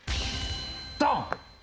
ドン！